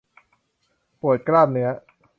ปวดกล้ามเนื้อ